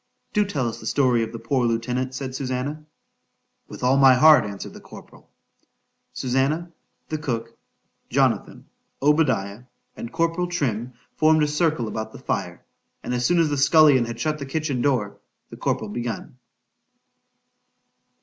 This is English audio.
—Do tell us the story of the poor lieutenant, said Susannah.——With all my heart, answered the corporal. Susannah, the cook, Jonathan, Obadiah, and corporal Trim, formed a circle about the fire; and as soon as the scullion had shut the kitchen door,—the corporal begun.